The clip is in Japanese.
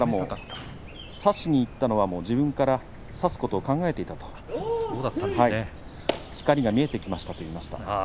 差しにいったのは自分から差しにいくと考えていた光が見えてきましたと言いました。